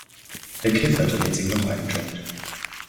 Der Kiffer dreht sich noch einen Joint.